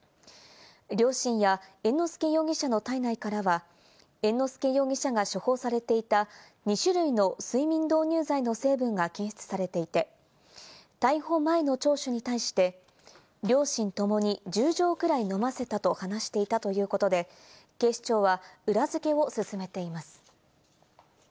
両親や猿之助容疑者の体内からは猿之助容疑者が処方されていた２種類の睡眠導入剤の成分が検出されていて、逮捕前の聴取に対して、両親ともに１０錠くらい飲ませたと話していたということで警視庁は裏付けを進めています。